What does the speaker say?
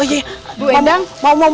oh iya bu endang mau mau